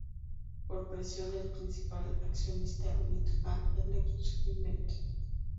Por presión del principal accionista, Whitehall Electric Investment Ltd.